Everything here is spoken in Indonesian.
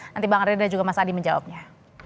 nanti bang andre dan juga mas adi menjawabnya